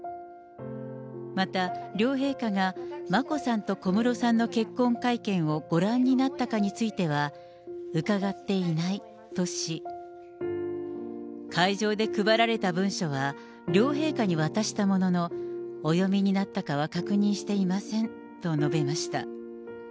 また、両陛下が眞子さんと小室さんの結婚会見をご覧になったかについては、うかがっていないとし、会場で配られた文書は、両陛下に渡したものの、お読みになったかは確認していませんと述べました。